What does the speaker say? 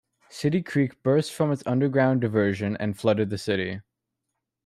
City Creek burst from its underground diversion and flooded the city.